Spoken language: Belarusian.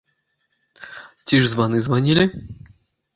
Ці ж званы званілі?